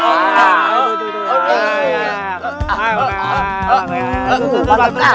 biar cantik juga kau